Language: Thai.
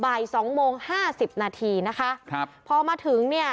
บ่ายสองโมงห้าสิบนาทีนะคะครับพอมาถึงเนี่ย